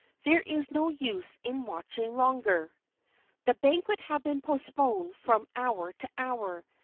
"There is no use in watching longer." The banquet had been postponed from hour to hour.